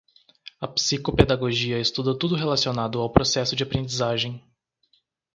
A psicopedagogia estuda tudo relacionado ao processo de aprendizagem.